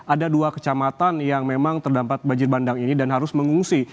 ada dua kecamatan yang memang terdampak banjir bandang ini dan harus mengungsi